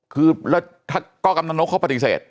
คือแล้วก็กำนันนกเขาปฏิเสธ